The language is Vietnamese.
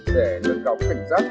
để nâng cao cảnh giác